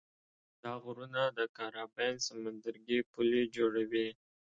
دا غرونه د کارابین سمندرګي پولې جوړوي.